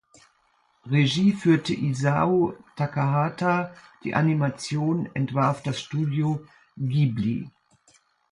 Regie führte Isao Takahata, die Animation entwarf das Studio Ghibli.